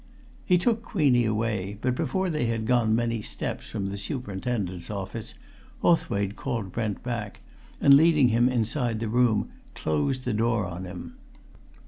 He took Queenie away, but before they had gone many steps from the superintendent's office Hawthwaite called Brent back, and leading him inside the room closed the door on him.